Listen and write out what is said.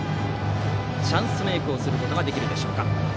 チャンスメイクすることができるでしょうか。